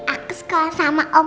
aku sekolah sama oma